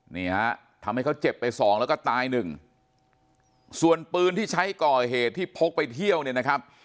นี่ฮะทำให้เขาเจ็บไปสองแล้วก็ตายหนึ่งส่วนปืนที่ใช้ก่อเหตุที่พกไปเที่ยวเนี่ยนะครับ